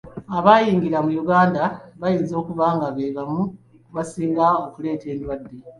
Abayingira mu Uganda bayinza okuba nga be bamu ku basinga okuleeta endwadde.